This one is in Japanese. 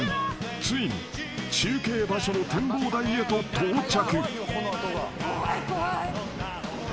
［ついに中継場所の展望台へと到着］